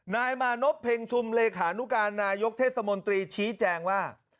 นายมานพเพ็งชุมเลขานุการนายกเทศมนตรีชี้แจงว่า